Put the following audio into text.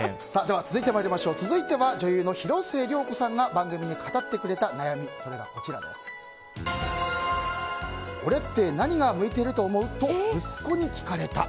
続いては女優の広末涼子さんが番組に語ってくれた悩みそれが、俺って何が向いていると思う？と息子に聞かれた。